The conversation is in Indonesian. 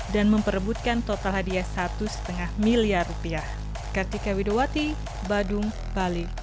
dan memperebutkan total hadiah satu lima miliar rupiah